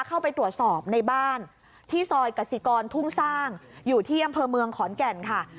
เข้าไปตรวจสอบในบ้านที่ซอยกสิกรทุ่งสร้างอยู่ที่อำเภอเมืองขอนแก่นค่ะ